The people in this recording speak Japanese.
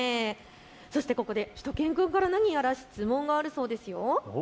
そしてここでしゅと犬くんから何やら質問があるそうです。